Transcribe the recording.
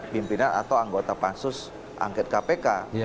pimpinan atau anggota pansus angket kpk